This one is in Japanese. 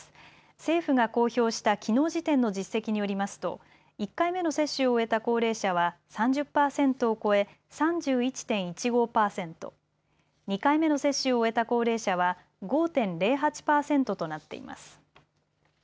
政府が公表したきのう時点の実績によりますと、１回目の接種を終えた高齢者は３０％を超え３１．１５％、２回目の接種を終えた高齢者は５．０８％となっています。